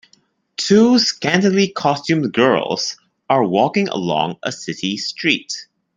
Two scantilycostumed girls are walking along a city street.